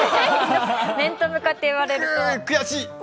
面と向かって言われると。